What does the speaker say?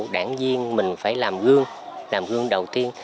đảng viên mình phải làm gương làm gương đầu tiên